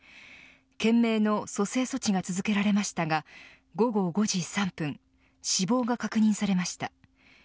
懸命の蘇生措置が続けられましたが午後５時３分死亡が確認されました。